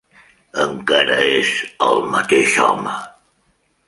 Encara és el mateix home!